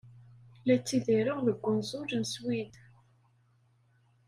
La ttidireɣ deg unẓul n Swid.